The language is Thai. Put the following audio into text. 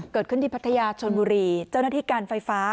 เกิดขึ้นที่พัทยาชนบุรีเจ้าหน้าที่การไฟฟ้า